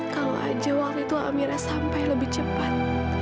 kalau aja waktu itu amira sampai lebih cepat